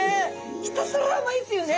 ひたすら甘いんすよね。